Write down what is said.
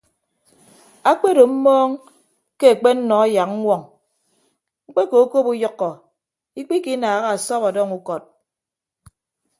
Akpedo mmọọñ ke akpennọ yak ññwoñ mkpekokop uyʌkkọ ikpikinaaha asọp ọdọñ ukọd.